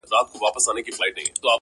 ستا او د ابا کیسه د میني، کورنۍ -